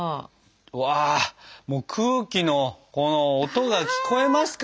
うわもう空気のこの音が聞こえますか？